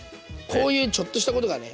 こういうちょっとしたことがね